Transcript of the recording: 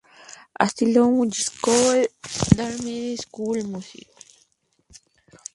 Asistió a la Juilliard School de Drama en Nueva York.